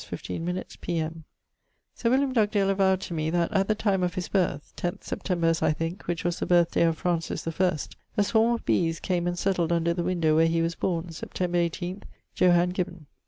'Sir[EC] William Dugdale avow'd to mee at the time of his birth (10 September, as I thinke, which was the birth day of Francis the first) a swarme of bees came and settled under the window where hee was borne, September 18. Johan. Gybbon.'